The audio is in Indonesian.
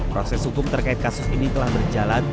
proses hukum terkait kasus ini telah berjalan